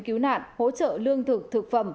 cứu nạn hỗ trợ lương thực thực phẩm